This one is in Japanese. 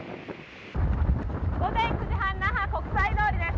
午前９時半、那覇・国際通りです。